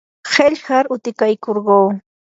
qillqar utikaykurquu.